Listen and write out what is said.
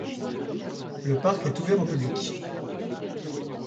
Le parc est ouvert au public.